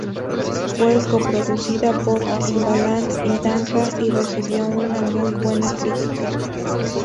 Fue co-producida por Timbaland y Danja, y recibió una muy buena critica.